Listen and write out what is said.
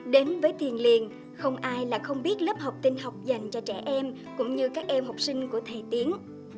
đến với thiên liên không ai là không biết lớp học tinh học dành cho trẻ em cũng như các em học sinh của thầy tiến